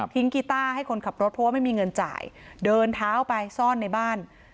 กีต้าให้คนขับรถเพราะว่าไม่มีเงินจ่ายเดินเท้าไปซ่อนในบ้าน